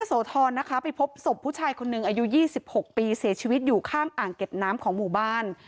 โสธรนะคะไปพบศพผู้ชายคนหนึ่งอายุ๒๖ปีเสียชีวิตอยู่ข้างอ่างเก็บน้ำของหมู่บ้าน